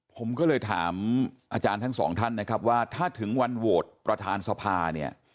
ผมก็เลยถามอาจารย์ทั้งสองท่านนะครับว่าถ้าถึงวันโหวตประธานสภาเนี่ย